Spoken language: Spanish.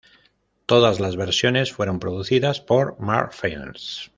Todas las versiones fueron producidas por Mark Films.